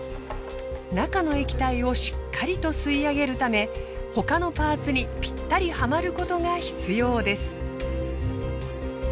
中の液体をしっかりと吸い上げるため他のパーツにぴったりはまることが必要です。